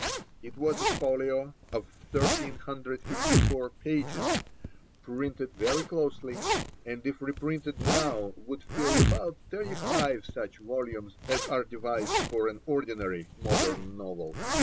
It was a folio of 1,354 pages, printed very closely, and if reprinted now would fill about thirty five such volumes as are devised for an ordinary modern novel.